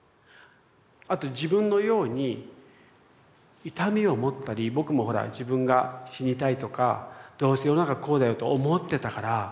あと自分のように痛みを持ったり僕もほら自分が死にたいとかどうせ世の中こうだよと思ってたから。